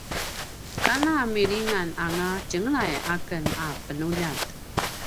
kana milingananga tjenglay aken a penuljat